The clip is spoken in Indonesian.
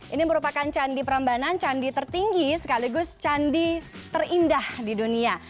ini merupakan candi prambanan candi tertinggi sekaligus candi terindah di dunia